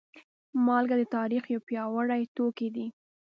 مالګه د تاریخ یو پیاوړی توکی دی.